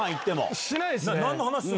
しないですね。